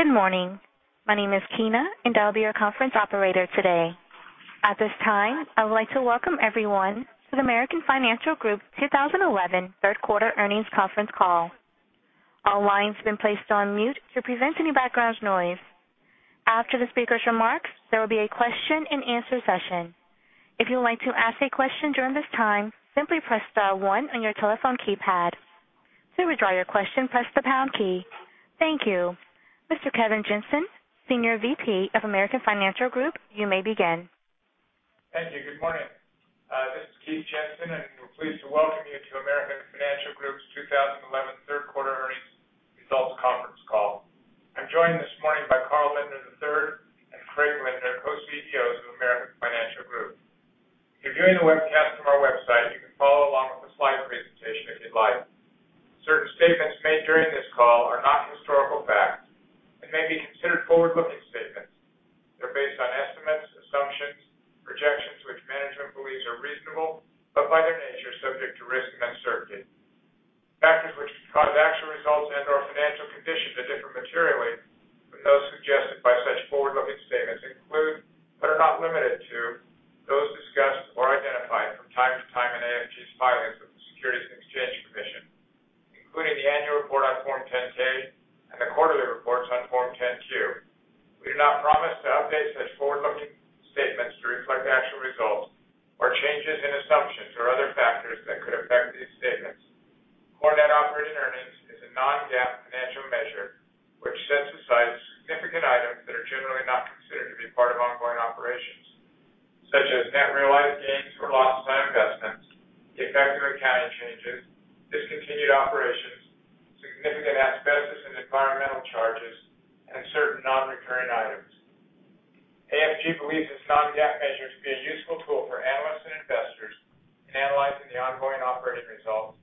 Good morning. My name is Keena, and I'll be your conference operator today. At this time, I would like to welcome everyone to the American Financial Group 2011 third quarter earnings conference call. All lines have been placed on mute to prevent any background noise. After the speaker's remarks, there will be a question and answer session. If you would like to ask a question during this time, simply press dial one on your telephone keypad. To withdraw your question, press the pound key. Thank you. Mr. Keith Jensen, Senior VP of American Financial Group, you may begin. Thank you. Good morning. This is Keith Jensen. We're pleased to welcome you to American Financial Group's 2011 third quarter earnings results conference call. I'm joined this morning by Carl Lindner III and Craig Lindner, Co-CEOs of American Financial Group. If you're viewing the webcast from our website, you can follow along with the slide presentation if you'd like. Certain statements made during this call are not historical facts and may be considered forward-looking statements. They're based on estimates, assumptions, projections, which management believes are reasonable, but by their nature, subject to risk and uncertainty. Factors which could cause actual results and/or financial conditions to differ materially from those suggested by such forward-looking statements include, but are not limited to, those discussed or identified from time to time in AFG's filings with the Securities and Exchange Commission, including the annual report on Form 10-K and the quarterly reports on Form 10-Q. We do not promise to update such forward-looking statements to reflect actual results or changes in assumptions or other factors that could affect these statements. Core net operating earnings is a non-GAAP financial measure which sets aside significant items that are generally not considered to be part of ongoing operations, such as net realized gains or losses on investments, the effect of accounting changes, discontinued operations, significant asbestos and environmental charges, and certain non-recurring items. AFG believes its non-GAAP measures to be a useful tool for analysts and investors in analyzing the ongoing operating results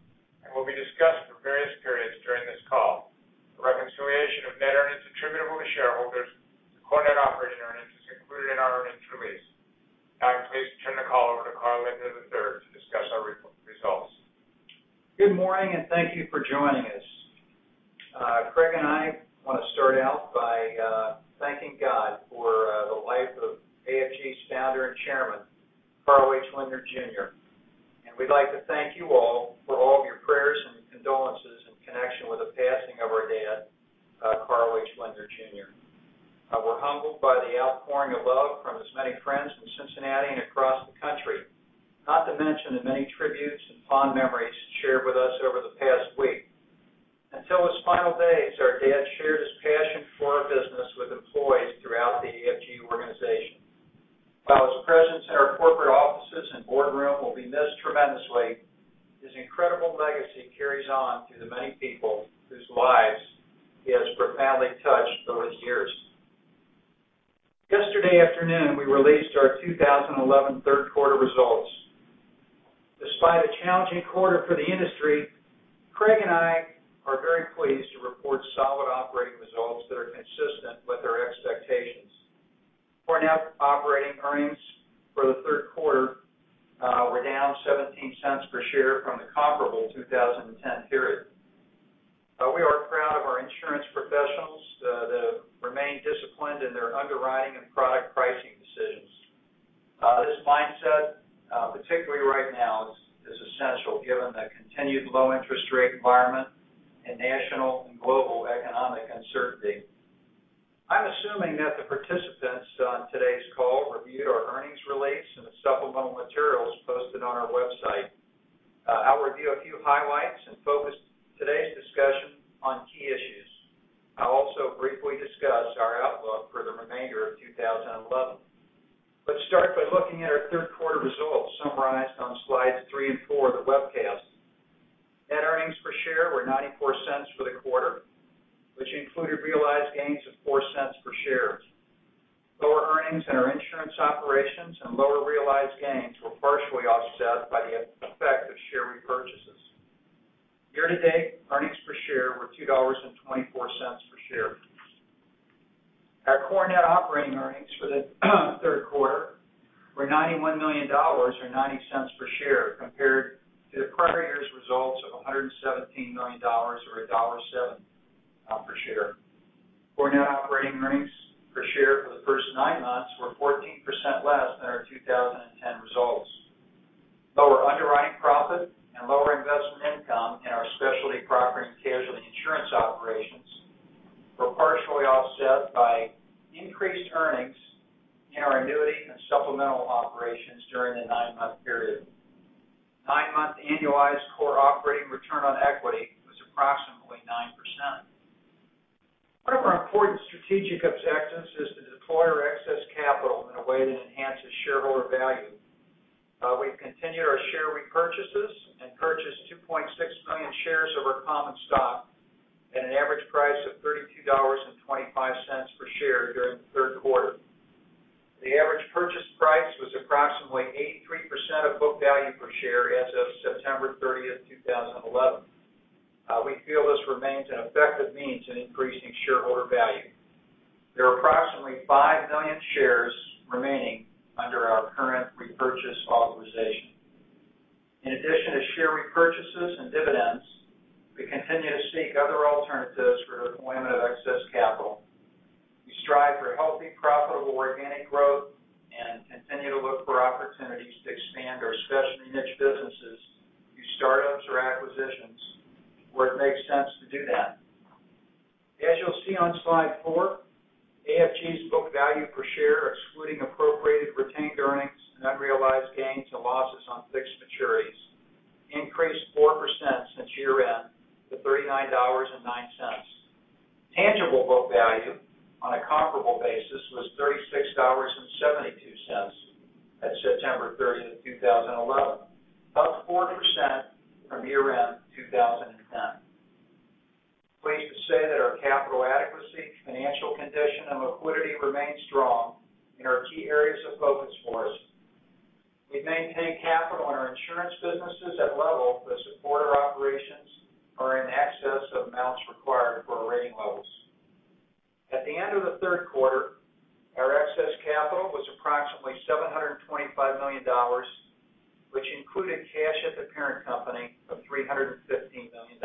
and will be discussed for various periods during this call. The reconciliation of net earnings attributable to shareholders to core net operating earnings is included in our earnings release. Now I'm pleased to turn the call over to Carl Lindner III to discuss our results. Good morning, and thank you for joining us. Craig and I want to start out by thanking God for the life of AFG's founder and chairman, Carl H. Lindner Jr. We'd like to thank you all for all of your prayers and condolences in connection with the passing of our dad, Carl H. Lindner Jr. We're humbled by the outpouring of love from his many friends in Cincinnati and across the country. Not to mention the many tributes and fond memories shared with us over the past week. Until his final days, our dad shared his passion for our business with employees throughout the AFG organization. While his presence in our corporate offices and boardroom will be missed tremendously, his incredible legacy carries on through the many people whose lives he has profoundly touched over the years. Yesterday afternoon, we released our 2011 third quarter results. Despite a challenging quarter for the industry, Craig and I are very pleased to report solid operating results that are consistent with our expectations. Core net operating earnings for the third quarter were down $0.17 per share from the comparable 2010 period. We are proud of our insurance professionals that have remained disciplined in their underwriting and product pricing decisions. This mindset, particularly right now, is essential given the continued low interest rate environment and national and global economic uncertainty. I'm assuming that the participants on today's call reviewed our earnings release and the supplemental materials posted on our website. I'll review a few highlights and focus today's discussion on key issues. I'll also briefly discuss our outlook for the remainder of 2011. Let's start by looking at our third quarter results summarized on slides three and four of the webcast. Net earnings per share were $0.94 for the quarter, which included realized gains of $0.04 per share. Lower earnings in our insurance operations and lower realized gains were partially offset by the effect of share repurchases. Year to date, earnings per share were $2.24 per share. Our core net operating earnings for the third quarter were $91 million, or $0.90 per share, compared to the prior year's results of $117 million, or $1.07 per share. Core net operating earnings per share for the first nine months were 14% less than our 2010 results. Lower underwriting profit and lower investment income in our specialty property and casualty insurance operations were partially offset by increased earnings in our Annuity and Supplemental Insurance operations during the nine-month period. Nine-month annualized core operating return on equity was approximately 9%. One of our important strategic objectives is to deploy our excess capital in a way that enhances shareholder value. We've continued our share repurchases and purchased 2.6 million shares of our common stock at an average price of $32.25 per share during the third quarter. The average purchase price was approximately 83% of book value per share as of September 30th, 2011. We feel this remains an effective means in increasing shareholder value. There are approximately five million shares remaining under our current repurchase authorization. In addition to share repurchases and dividends, we continue to seek other alternatives for deployment of excess capital. We strive for healthy, profitable organic growth and continue to look for opportunities to expand our specialty niche businesses through startups or acquisitions where it makes sense to do that. As you'll see on slide four, AFG's book value per share, excluding appropriated retained earnings and unrealized gains and losses on fixed maturities, increased 4% since year-end to $39.09. Tangible book value on a comparable basis was $36.72 at September 30, 2011, up 4% from year-end 2010. Pleased to say that our capital adequacy, financial condition, and liquidity remain strong in our key areas of focus for us. We've maintained capital in our insurance businesses at levels that support our operations are in excess of amounts required for our rating levels. At the end of the third quarter, our excess capital was approximately $725 million, which included cash at the parent company of $315 million.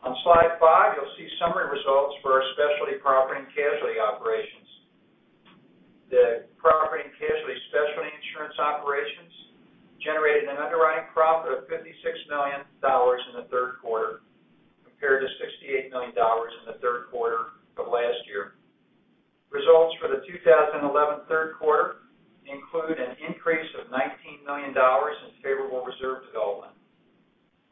On slide five, you'll see summary results for our specialty property and casualty operations. The property and casualty specialty insurance operations generated an underwriting profit of $56 million in the third quarter, compared to $68 million in the third quarter of last year. Results for the 2011 third quarter include an increase of $19 million in favorable reserve development.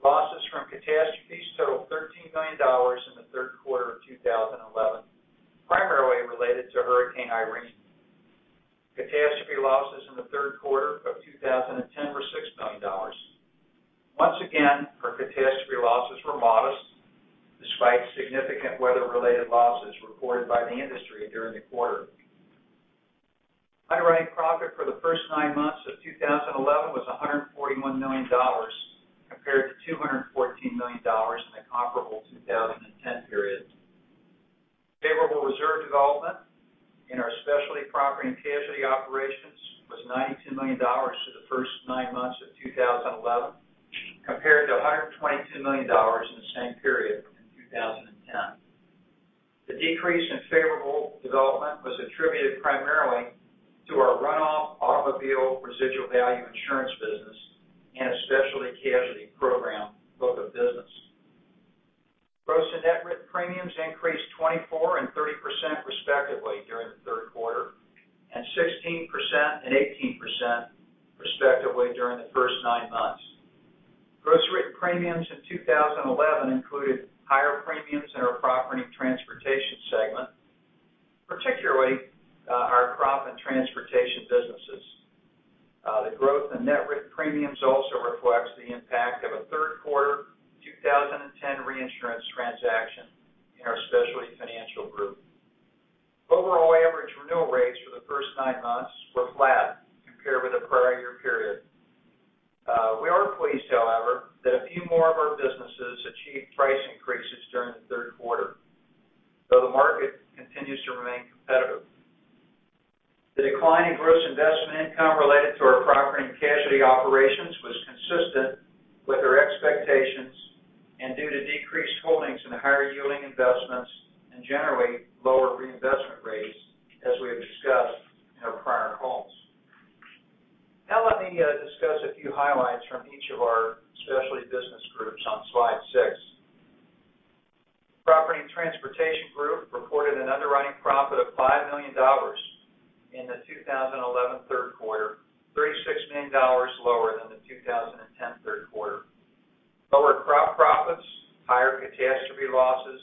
Losses from catastrophes totaled $13 million in the third quarter of 2011, primarily related to Hurricane Irene. Catastrophe losses in the third quarter of 2010 were $6 million. Once again, our catastrophe losses were modest, despite significant weather-related losses reported by the industry during the quarter. Underwriting profit for the first nine months of 2011 was $141 million, compared to $214 million in the comparable 2010 period. Favorable reserve development in our specialty property and casualty operations was $92 million through the first nine months of 2011, compared to $122 million in the same period in 2010. The decrease in favorable development was attributed primarily to our runoff automobile residual value insurance business and a Specialty Casualty program book of business. Gross and net written premiums increased 24% and 30% respectively during the third quarter, and 16% and 18% respectively during the first nine months. Gross written premiums in 2011 included higher premiums in our Property and Transportation segment, particularly our crop and transportation businesses. The growth in net written premiums also reflects the impact of a third quarter 2010 reinsurance transaction in our Specialty Financial group. Overall average renewal rates for the first nine months were flat compared with the prior year period. We are pleased, however, that a few more of our businesses achieved price increases during the third quarter, though the market continues to remain competitive. The decline in gross investment income related to our property and casualty operations was consistent with our expectations and due to decreased holdings in higher-yielding investments and generally lower reinvestment rates as we have discussed in our prior calls. Now let me discuss a few highlights from each of our specialty business groups on slide six. Property and Transportation Group reported an underwriting profit of $5 million in the 2011 third quarter, $36 million lower than the 2010 third quarter. Lower crop profits, higher catastrophe losses,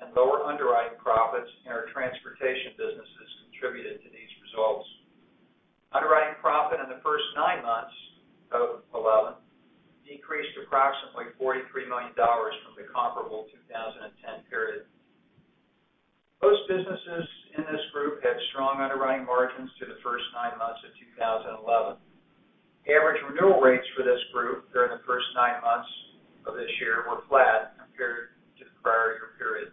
and lower underwriting profits in our transportation businesses contributed to these results. Underwriting profit in the first nine months of 2011 decreased approximately $43 million from the comparable 2010 period. Most businesses in this group had strong underwriting margins through the first nine months of 2011. Average renewal rates for this group during the first nine months of this year were flat compared to the prior year period.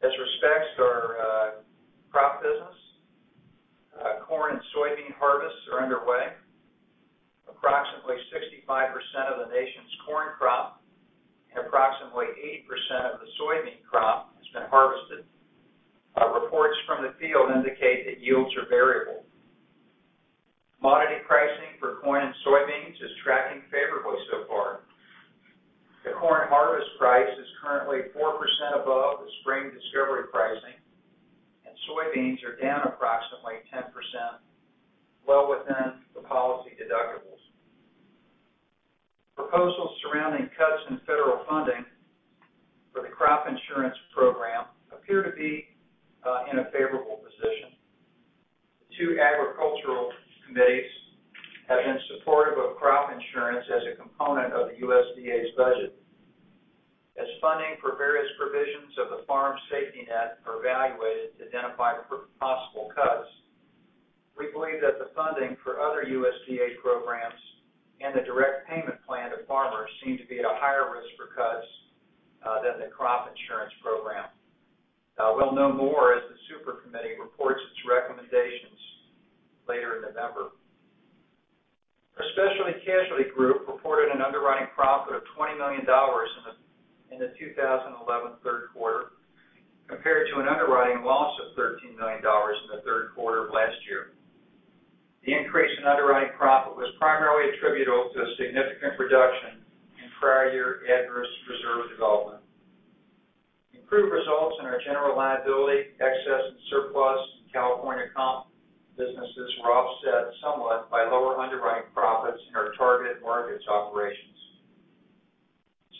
As respects to our crop business, corn and soybean harvests are underway. Approximately 65% of the nation's corn crop and approximately 80% of the soybean crop has been harvested. Reports from the field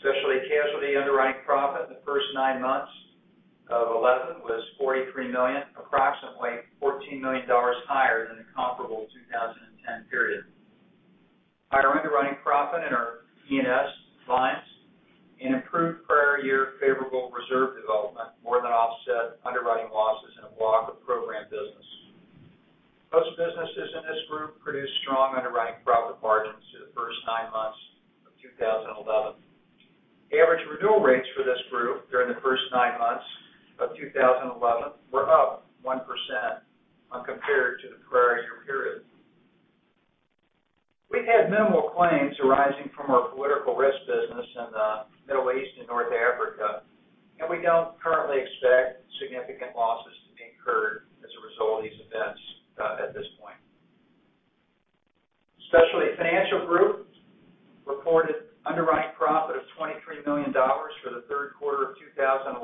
Specialty Casualty underwriting profit in the first nine months of 2011 was $43 million, approximately $14 million higher than the comparable 2010 period. Higher underwriting profit in our P&T lines and improved prior year favorable reserve development more than offset underwriting losses in a block of program business. Most businesses in this group produced strong underwriting profit margins through the first nine months of 2011. Average renewal rates for this group during the first nine months of 2011 were up 1% when compared to the prior year period. We've had minimal claims arising from our political risk business in the Middle East and North Africa, and we don't currently expect significant losses to be incurred as a result of these events at this point. Specialty Financial Group reported underwriting profit of $23 million for the third quarter of 2011,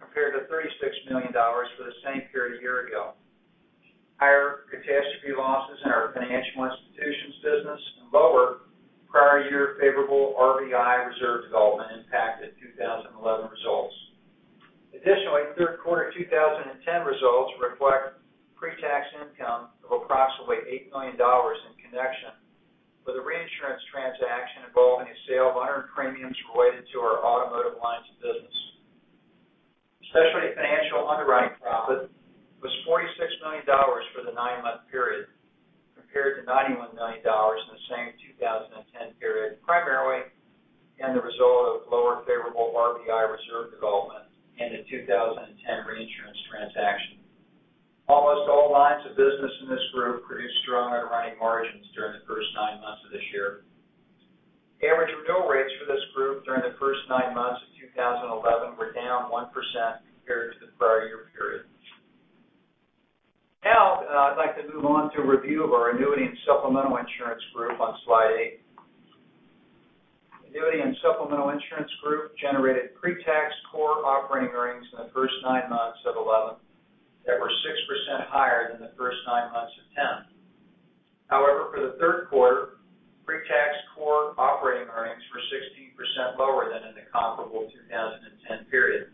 compared to $36 million for the same period a year ago. Higher catastrophe losses in our financial institutions business and lower prior year favorable RVI reserve development impacted 2011 results. Additionally, third quarter 2010 results reflect pre-tax income of approximately $8 million in connection with a reinsurance transaction involving the sale of earned premiums related to our automotive lines of business. Specialty Financial underwriting profit was $46 million for the nine-month period, compared to $91 million in the same 2010 period, primarily the result of lower favorable RVI reserve development in the 2010 reinsurance transaction. Almost all lines of business in this group produced strong underwriting margins during the first nine months of this year. Average renewal rates for this group during the first nine months of 2011 were down 1% compared to the prior year period. Now, I'd like to move on to a review of our Annuity and Supplemental Insurance group on slide eight. Annuity and Supplemental Insurance group generated pre-tax core operating earnings in the first nine months of 2011 that were 6% higher than the first nine months of 2010. However, for the third quarter, pre-tax core operating earnings were 16% lower than in the comparable 2010 period.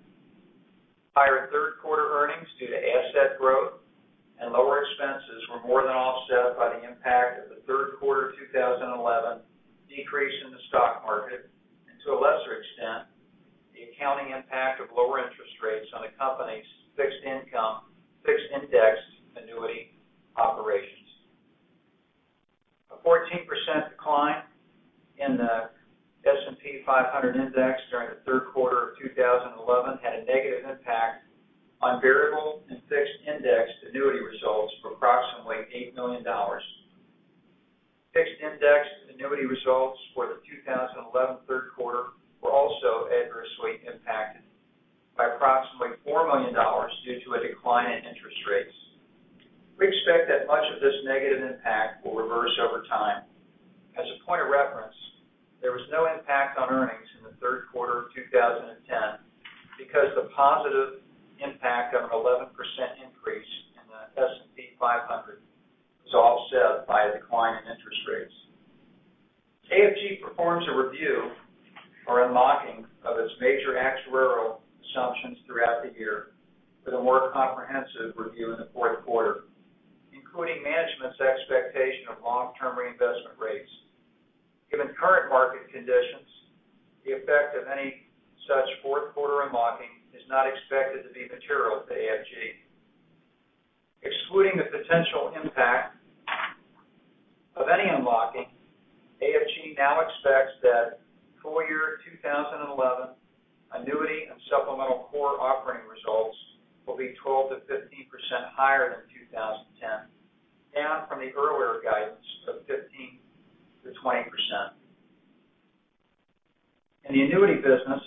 Higher third-quarter earnings due to asset growth and lower expenses were more than offset by the impact of the third quarter 2011 decrease in the stock market, and to a lesser extent, the accounting impact of lower interest rates on the company's fixed income, fixed indexed annuity operations. A 14% decline in the S&P 500 index during the third quarter of 2011 had a negative impact on variable and fixed indexed annuity results of approximately $8 million. Fixed indexed annuity results for the 2011 third quarter were also adversely impacted by approximately $4 million due to a decline in interest rates. We expect that much of this negative impact will reverse over time. As a point of reference, there was no impact on earnings in the third quarter of 2010 because the positive impact of an 11% increase in the S&P 500 was offset by a decline in interest rates. AFG performs a review or unlocking of its major actuarial assumptions throughout the year with a more comprehensive review in the fourth quarter, including management's expectation of long-term reinvestment rates. Given current market conditions, the effect of any such fourth quarter unlocking is not expected to be material to AFG. Excluding the potential impact of any unlocking, AFG now expects that full-year 2011 Annuity and Supplemental core operating results will be 12%-15% higher than 2010, down from the earlier guidance of 15%-20%. In the annuity business,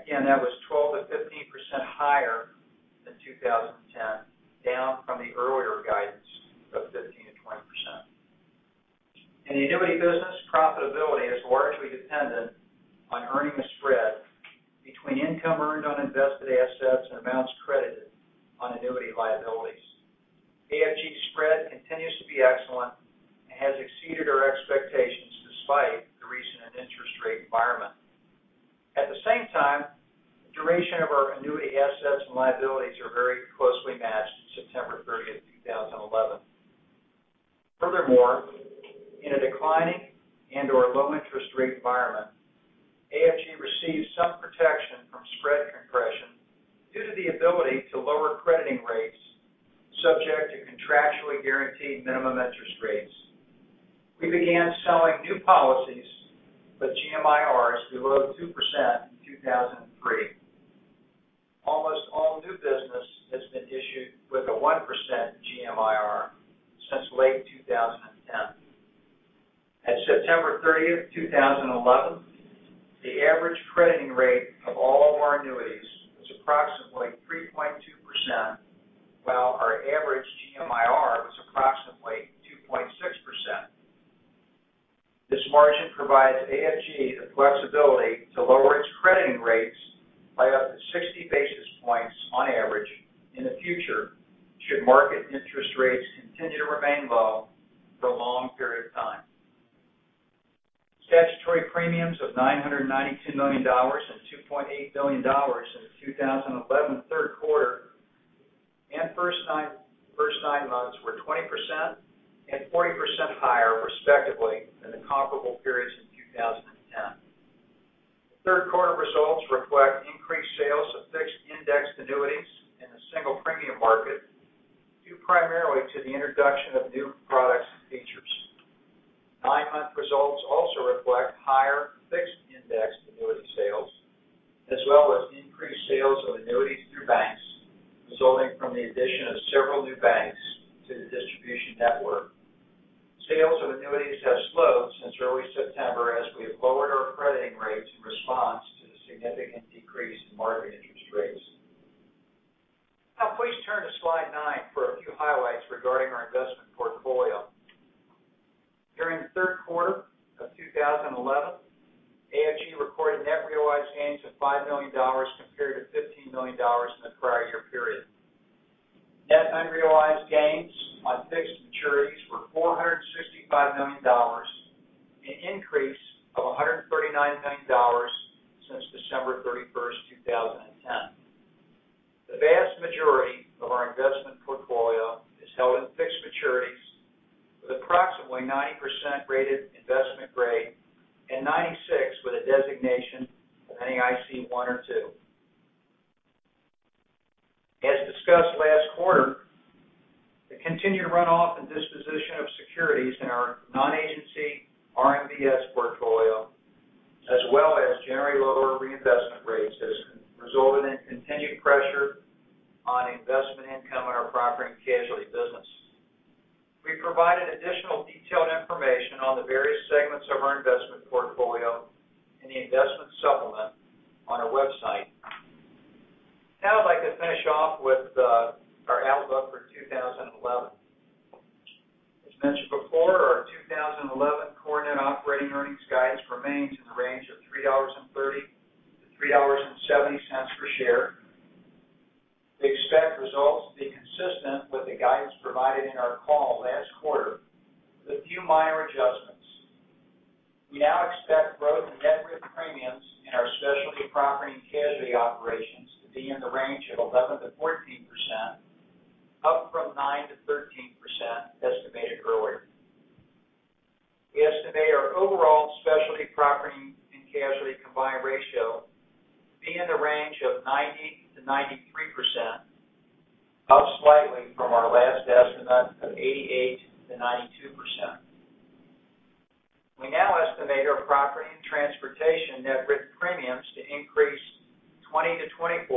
again, that was 12%-15% higher than 2010, down from the earlier guidance of 15%-20%. In the annuity business, profitability is largely dependent on earning the spread between income earned on invested assets and amounts credited on annuity liabilities. AFG's spread continues to be excellent and has exceeded our expectations despite the recent interest rate environment. At the same time, the duration of our annuity assets and liabilities are very closely matched in September 30, 2011. Furthermore, in a declining and/or low interest rate environment, AFG receives some protection from spread compression. The ability to lower crediting rates subject to contractually guaranteed minimum interest rates. We began selling new policies with GMIRs below 2% in 2003. Almost all new business has been issued with a 1% GMIR since late 2010. At September 30, 2011, the average crediting rate of all of our annuities was approximately 3.2%, while our average GMIR was approximately 2.6%. This margin provides AFG the flexibility to lower its crediting rates by up to 60 basis points on average in the future, should market interest rates continue to remain low for a long period of time. Statutory premiums of $992 million and $2.8 billion in the 2011 third quarter and first nine months were 20% and 40% higher, respectively, than the comparable periods in 2010. Third quarter results reflect increased sales of fixed indexed annuities in the single premium market, due primarily to the introduction of new products and features. Nine-month results also reflect higher fixed indexed annuity sales, as well as increased sales of annuities through banks, resulting from the addition of several new banks to the distribution network. Sales of annuities have slowed since early September as we have lowered our crediting rates in response to the significant decrease in market interest rates. Please turn to slide nine for a few highlights regarding our investment portfolio. During the third quarter of 2011, AFG recorded net realized gains of $5 million compared to $15 million in the prior year period. Net unrealized gains on fixed maturities were $465 million, an increase of $139 million since December 31st, 2010. The vast majority of our investment portfolio is held in fixed maturities, with approximately 90% rated investment grade and 96 with a designation of NAIC 1 or 2. As discussed last quarter, the continued runoff and disposition of securities in our non-agency RMBS portfolio, as well as generally lower reinvestment rates, has resulted in continued pressure on investment income in our property and casualty business. We provided additional detailed information on the various segments of our investment portfolio in the investment supplement on our website. I'd like to finish off with our outlook for 2011. As mentioned before, our 2011 core net operating earnings guidance remains in the range of $3.30 to $3.70 per share. We expect results to be consistent with the guidance provided in our call last quarter, with a few minor adjustments. We now expect growth in net written premiums in our specialty property and casualty operations to be in the range of 11%-14%, up from 9%-13% estimated earlier. We estimate our overall specialty property and casualty combined ratio to be in the range of 90%-93%, up slightly from our last estimate of 88%-92%. We now estimate our Property and Transportation net written premiums to increase 20%-24%,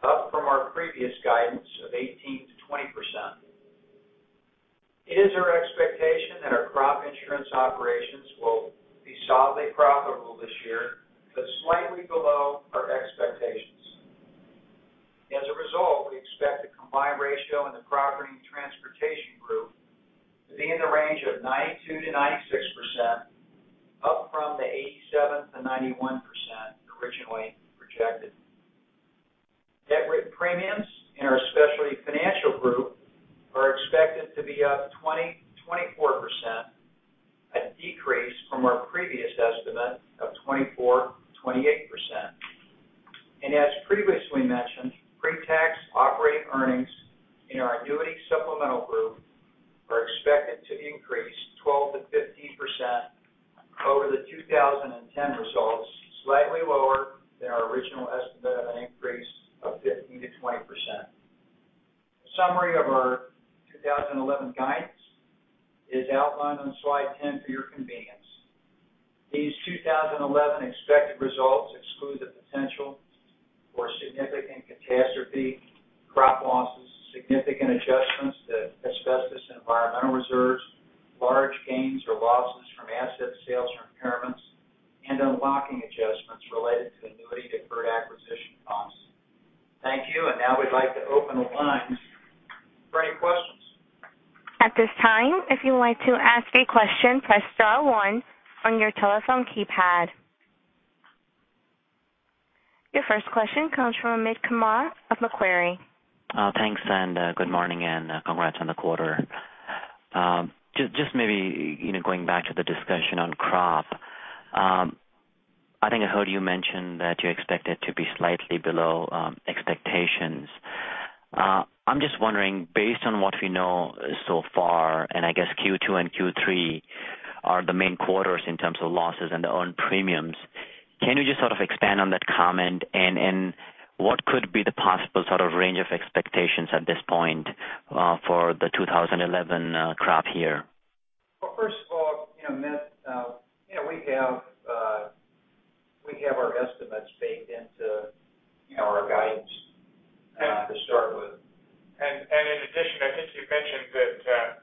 up from our previous guidance of 18%-20%. It is our expectation that our crop insurance operations will be solidly profitable this year, but slightly below our expectations. As a result, we expect the combined ratio in the Property and Transportation group to be in the range of 92%-96%, up from the 87%-91% originally projected. Net written premiums in our Specialty Financial group are expected to be up 20%-24%, a decrease from our previous estimate of 24%-28%. As previously mentioned, pre-tax operating earnings in our Annuity Supplemental group are expected to increase 12%-15% over the 2010 results, slightly lower than our original estimate of an increase of 15%-20%. A summary of our 2011 guidance is outlined on slide 10 for your convenience. These 2011 expected results exclude the potential for significant catastrophe crop losses, significant adjustments to asbestos and environmental reserves, large gains or losses from asset sales or impairments, and unlocking adjustments related to annuity deferred acquisition costs. Thank you. We'd like to open the lines for any questions. At this time, if you would like to ask a question, press star one on your telephone keypad. Your first question comes from Amit Kumar of Macquarie. Thanks, good morning, congrats on the quarter. Just maybe, you know, going back to the discussion on crop, I think I heard you mention that you expect it to be slightly below expectations. I'm just wondering, based on what we know so far, I guess Q2 and Q3 are the main quarters in terms of losses and earned premiums, can you just expand on that comment, and what could be the possible range of expectations at this point for the 2011 crop year? Well, first of all, Amit, we have our estimates baked into our guidance to start with. In addition, I think you mentioned that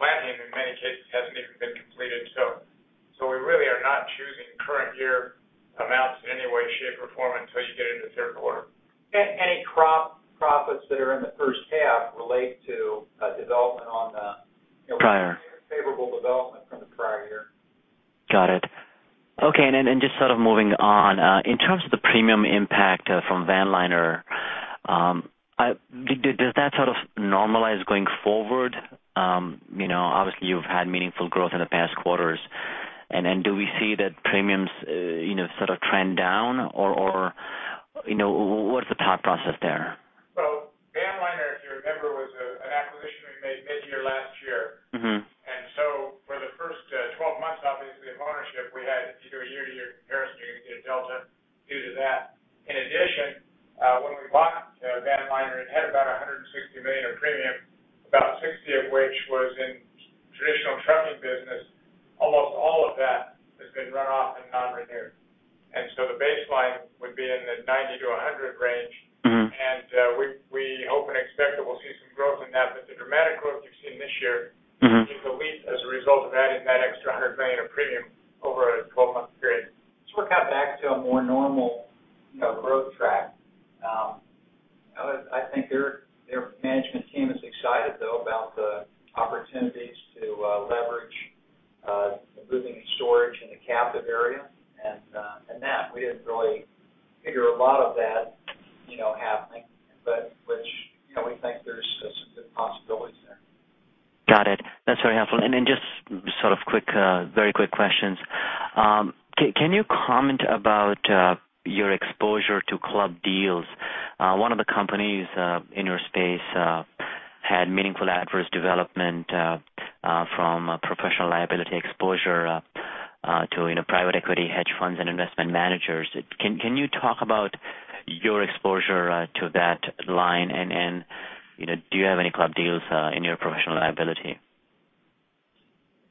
planting, in many cases, hasn't even been completed. We really are not choosing current year amounts in any way, shape, or form until you get into the third quarter. Any crop profits that are in the first half relate to a development on the- Prior favorable development from the prior year. Got it. Okay. In terms of the premium impact from Vanliner, does that sort of normalize going forward? Obviously, you've had meaningful growth in the past quarters. Do we see that premiums sort of trend down, or what's the thought process there?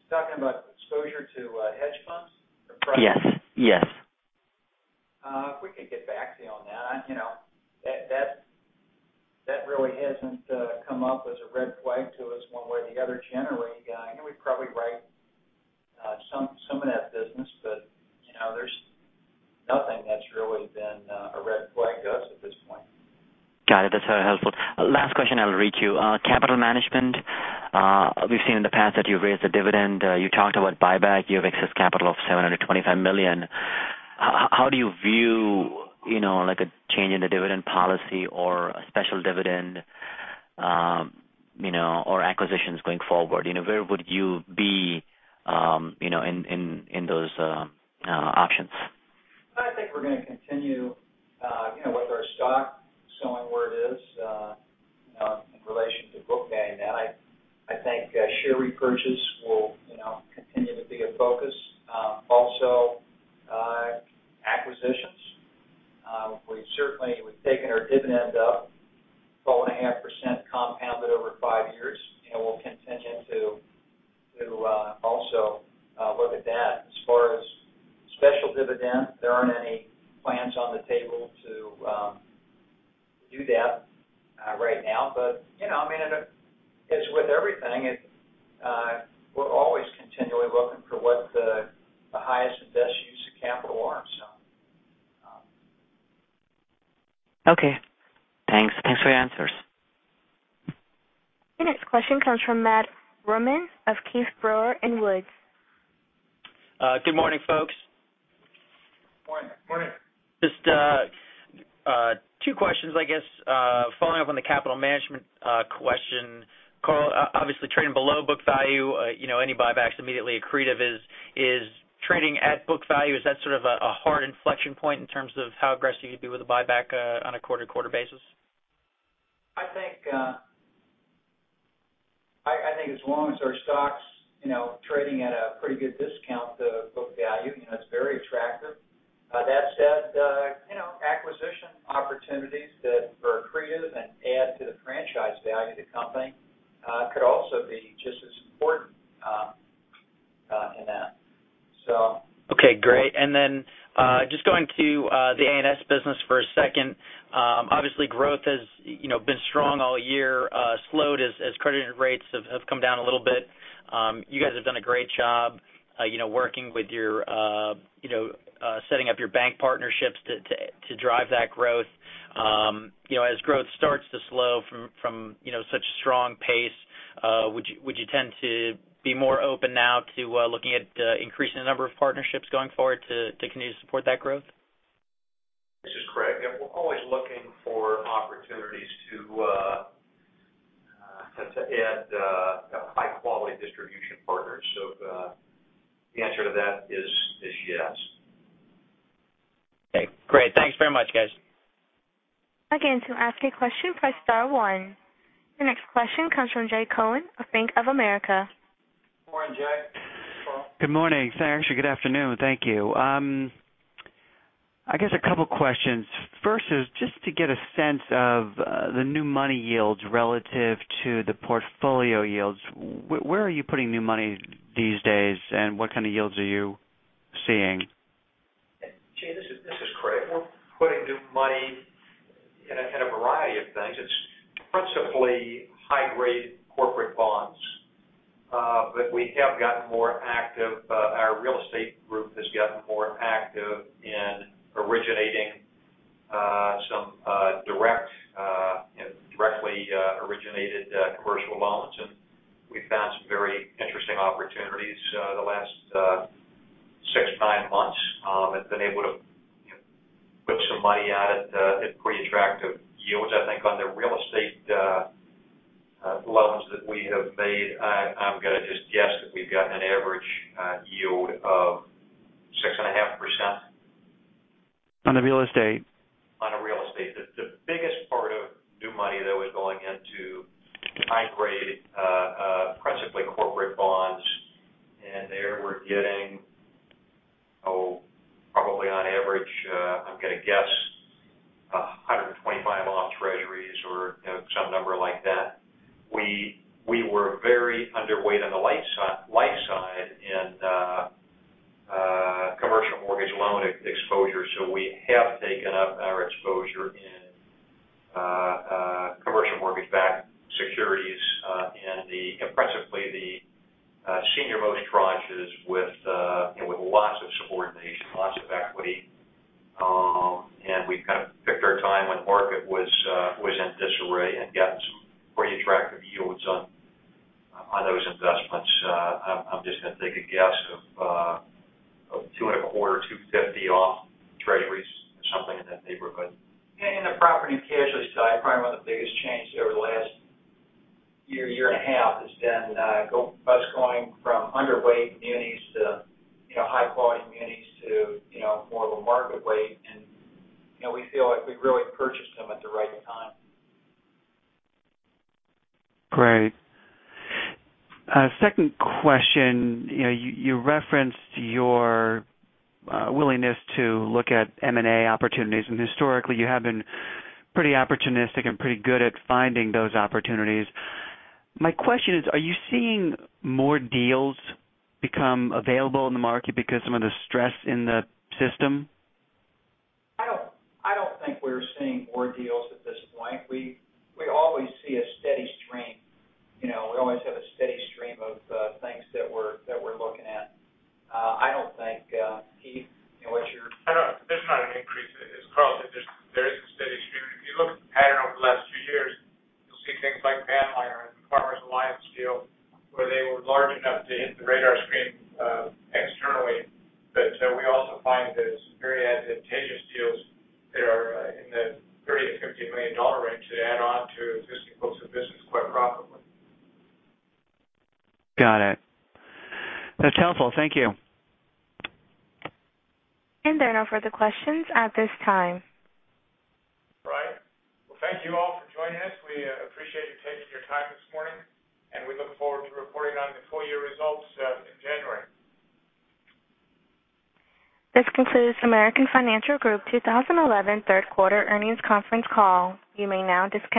Talking about exposure to hedge funds or private. Yes. If we could get back to you on that. That really hasn't come up as a red flag to us one way or the other generally. I know we probably write some of that business, but there's nothing that's really been a red flag to us at this point. Got it. That's very helpful. Last question I will read you. Capital management. We've seen in the past that you've raised the dividend. You talked about buyback. You have excess capital of $725 million. How do you view a change in the dividend policy or a special dividend or acquisitions going forward? Where would you be in those options? I think we're going to continue with our stock showing where it is in relation to book value. I think share repurchase will continue to be a focus. Also, acquisitions. We certainly, we've taken our dividend up 4.5% compounded over 5 years, and we'll continue to also look at that. As far as special dividend, there aren't any plans on the table to do that right now. As with everything, we're always continually looking for what the highest and best use of capital are. Okay. Thanks for your answers. The next question comes from Matt Rohman of Keefe, Bruyette & Woods. Good morning, folks. Morning. Just two questions, I guess. Following up on the capital management question. Carl, obviously trading below book value, any buybacks immediately accretive is trading at book value. Is that sort of a hard inflection point in terms of how aggressive you could be with a buyback on a quarter-to-quarter basis? I think as long as our stock's trading at a pretty good discount to book value, it's very attractive. That said, acquisition opportunities that are accretive and add to the franchise value of the company could also be just as important in that. Okay, great. Just going to the ANS business for a second. Obviously growth has been strong all year, slowed as crediting rates have come down a little bit. You guys have done a great job setting up your bank partnerships to drive that growth. As growth starts to slow from such a strong pace, would you tend to be more open now to looking at increasing the number of partnerships going forward to continue to support that growth? This is Craig. Yeah, we're always looking for opportunities to add high-quality distribution partners. The answer to that is yes. Okay, great. Thanks very much, guys. Again, to ask a question, press star one. Your next question comes from Jay Cohen of Bank of America. Morning, Jay. Good morning. Actually, good afternoon. Thank you. I guess a couple questions. First is just to get a sense of the new money yields relative to the portfolio yields. Where are you putting new money these days, and what kind of yields are you seeing? Jay, this is Craig. We're putting new money in a variety of things. It's principally high-grade corporate bonds. We have gotten more active. Our real estate group has gotten more active securities in principally the senior most tranches with I don't think, Keith, what's your- There's not an increase. As Carl said, there is a steady stream. If you look at the pattern over the last few years, you'll see things like Vanliner or the Farmers Alliance deal, where they were large enough to hit the radar screen externally. We also find that it's very advantageous deals that are in the $30 million-$50 million range to add on to existing books of business quite profitably. Got it. That's helpful. Thank you. There are no further questions at this time. All right. Well, thank you all for joining us. We appreciate you taking your time this morning, and we look forward to reporting on the full year results in January. This concludes American Financial Group 2011 third quarter earnings conference call. You may now disconnect.